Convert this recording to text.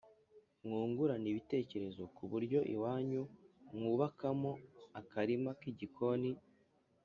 mwungurane ibitekerezo ku buryo iwanyu mwubakamo akarima k’igikoni.